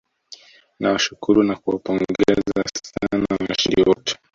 nawashukuru na kuwapongeza sana washindi wote